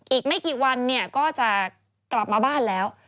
อีกไม่กี่วันเนี่ยก็จะกลับมาบ้านแล้ว